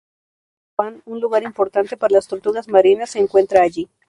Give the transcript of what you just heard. Sham Wan, un lugar importante para las tortugas marinas, se encuentra allí.